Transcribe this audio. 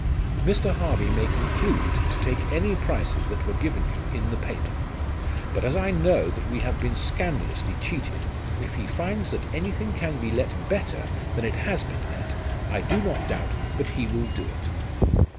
" Mr. Harvey may conclude to take any prices that were given you in the paper. But as I know that we have been scandalously cheated, if he finds that anything can be let better than it has been let, I do not doubt but he will do it."